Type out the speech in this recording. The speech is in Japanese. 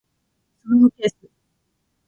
スマホケース